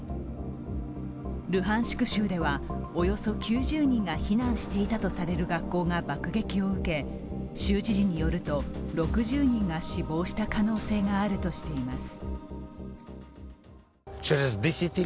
ルハンシク州では、およそ９０人が避難していたとされる学校が爆撃を受け州知事によると、６０人が死亡した可能性があるとしています。